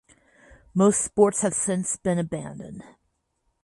Most sports have since been abandoned.